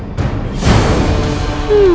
baru setelah itu